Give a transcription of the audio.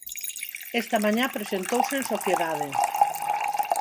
Esta mañá presentouse en sociedade.